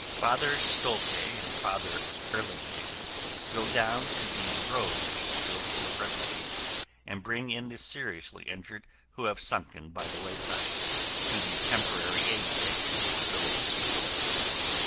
Father Stolte and Father Erlinghagen go down to the road which is still full of refugees and bring in the seriously injured who have sunken by the wayside, to the temporary aid station at the village school.